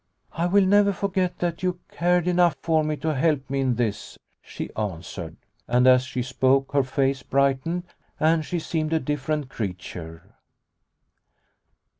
" I will never forget that you cared enough for me to help me in this," she answered. And as she spoke her face brightened, and she seemed a different creature.